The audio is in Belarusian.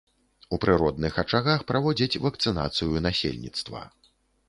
У прыродных ачагах праводзяць вакцынацыю насельніцтва.